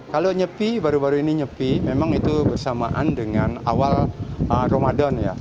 kalau nyepi baru baru ini nyepi memang itu bersamaan dengan awal ramadan ya